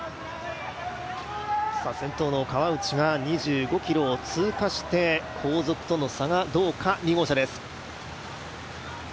先頭の川内が２５ｋｍを通過して、後続との差がどうか、２号車です。